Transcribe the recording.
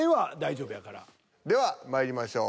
でもではまいりましょう。